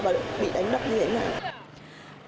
và được bị đánh đắp như thế nào